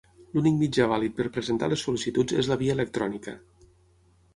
L'únic mitjà vàlid per presentar les sol·licituds és la via electrònica.